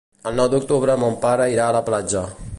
El nou d'octubre mon pare irà a la platja.